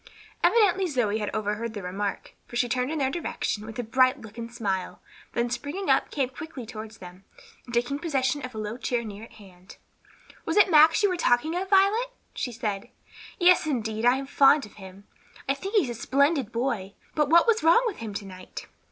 Evidently Zoe had overheard the remark, for she turned in their direction with a bright look and smile; then springing up came quickly toward them, and taking possession of a low chair near at hand, "Was it Max you were talking of, Violet?" she said. "Yes, indeed, I am fond of him. I think he's a splendid boy. But what was wrong with him to night?"